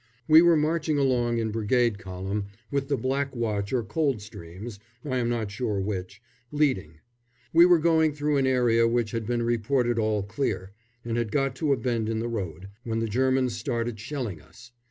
We were marching along in brigade column, with the Black Watch or Coldstreams, I am not sure which, leading. We were going through an area which had been reported all clear, and had got to a bend in the road, when the Germans started shelling us.